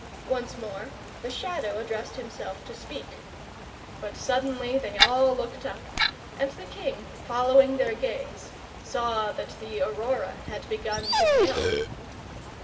Once more the Shadow addressed himself to speak. But suddenly they all looked up, and the king, following their gaze, saw that the aurora had begun to pale.